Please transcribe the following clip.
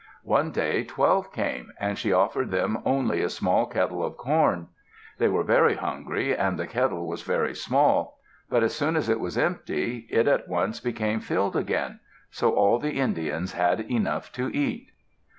One day twelve came, and she offered them only a small kettle of corn. They were very hungry and the kettle was very small. But as soon as it was empty, it at once became filled again, so all the Indians had enough to eat.